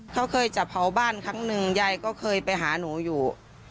เขาเคยจะเผาบ้านครั้งหนึ่งยายก็เคยไปหาหนูอยู่